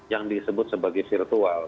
yang disebut sebagai virtual